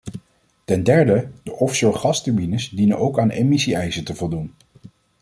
Ten derde, de offshore-gasturbines dienen ook aan emissie-eisen te voldoen.